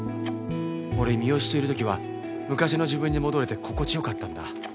俺、三好といる時は、昔の自分に戻れて、心地よかったんだ。